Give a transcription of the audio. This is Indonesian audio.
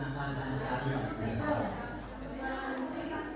yang berkaitan inovasi ya